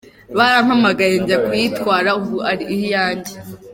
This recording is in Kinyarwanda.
Barampamagaye njya kuyitwara ubu iri iwanjye.